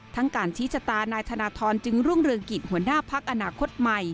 การชี้ชะตานายธนทรจึงรุ่งเรืองกิจหัวหน้าพักอนาคตใหม่